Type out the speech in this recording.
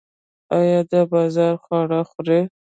ایا د بازار خواړه خورئ؟